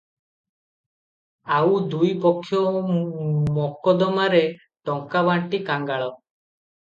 ଆଉ ଦୁଇ ପକ୍ଷ ମକଦ୍ଦମାରେ ଟଙ୍କା ବାଣ୍ଟି କାଙ୍ଗାଳ ।